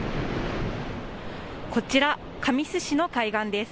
こちら神栖市の海岸です。